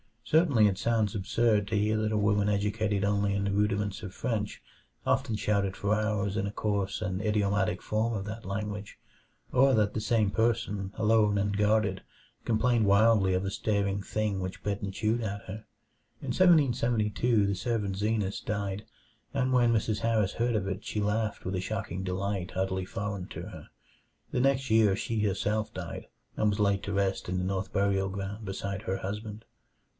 Certainly it sounds absurd to hear that a woman educated only in the rudiments of French often shouted for hours in a coarse and idiomatic form of that language, or that the same person, alone and guarded, complained wildly of a staring thing which bit and chewed at her. In 1772 the servant Zenas died, and when Mrs. Harris heard of it she laughed with a shocking delight utterly foreign to her. The next year she herself died, and was laid to rest in the North Burial Ground beside her husband.